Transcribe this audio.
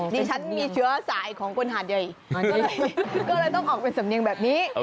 ดิฉันมีเชื้อสายของคนหาดใหญ่ก็เลยต้องออกเป็นสำเนียงแบบนี้